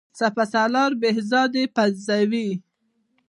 سپه سالار بهزاد یې پرزوي.